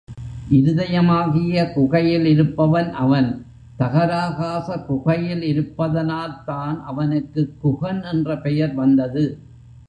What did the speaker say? இருதயமாகிய குகையில் இருப்பவன் அவன், தகராகாச குகையில் இருப்பதனால்தான் அவனுக்குக் குகன் என்ற பெயர் வந்தது.